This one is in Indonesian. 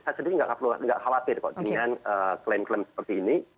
saya sendiri tidak perlu khawatir dengan klaim klaim seperti ini